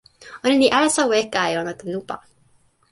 ona li alasa weka e ona tan lupa.